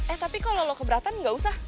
eh tapi kalo lo keberatan gak usah